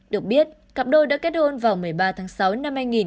được biết cặp đôi đã kết hôn vào một mươi ba tháng sáu